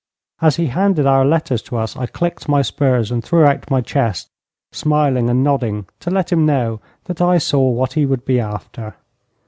As he handed our letters to us I clicked my spurs and threw out my chest, smiling and nodding to let him know that I saw what he would be after.